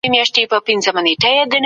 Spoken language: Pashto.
شنې ساحې باید پراخې سي.